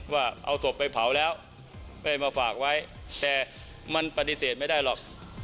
ว่าเอาศพไปเผาแล้วไม่มาฝากไว้แต่มันปฏิเสธไม่ได้หรอก